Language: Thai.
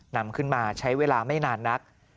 นำขึ้นมาใช้เวลาไม่นานนัก